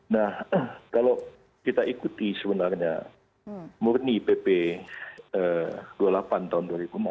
nah kalau kita ikuti sebenarnya murni pp dua puluh delapan tahun dua ribu empat belas